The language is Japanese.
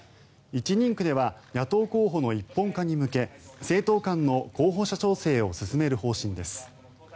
１人区では野党候補の一本化に向け政党間の候補者調整を進める方針です。